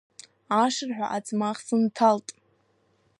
Ашырҳәа аӡмах сынҭалт.